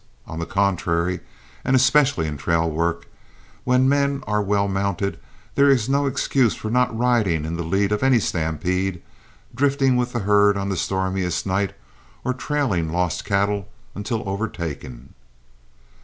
On the contrary, and especially in trail work, when men are well mounted, there is no excuse for not riding in the lead of any stampede, drifting with the herd on the stormiest night, or trailing lost cattle until overtaken.